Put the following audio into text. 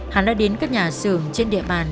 hắn đã đến các nhà xưởng trên địa bàn